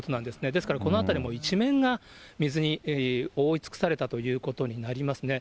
ですから、この辺りもう一面が水に覆いつくされたということになりますね。